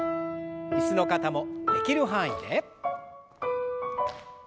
椅子の方もできる範囲で。